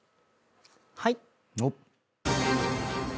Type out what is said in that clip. はい。